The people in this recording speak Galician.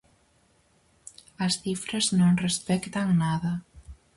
As cifras non respectan nada.